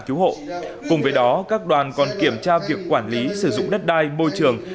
cứu hộ cùng với đó các đoàn còn kiểm tra việc quản lý sử dụng đất đai môi trường